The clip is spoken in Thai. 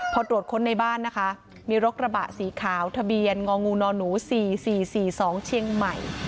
พอตรวจค้นในบ้านนะคะมีรถกระบะสีขาวทะเบียนงองูนหนู๔๔๔๔๒เชียงใหม่